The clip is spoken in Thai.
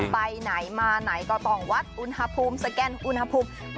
ไปไหนมาไหนก็ต้องวัดอุณหภูมิสแกนอุณหภูมิ